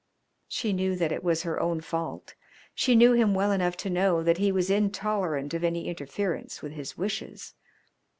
She knew that it was her own fault. She knew him well enough to know that he was intolerant of any interference with his wishes.